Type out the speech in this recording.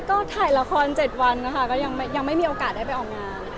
ใช่ถ่ายละครเจ็ดวันยังไม่มีโอกาสได้ออกมา